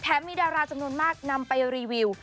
มีดาราจำนวนมากนำไปรีวิว